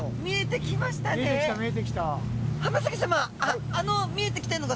見えてきた見えてきた。